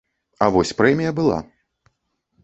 А вось прэмія была.